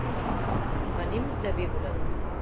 Venim de Biure.